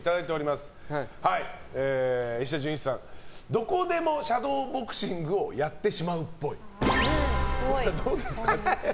どこでもシャドーボクシングをやってしまうっぽい。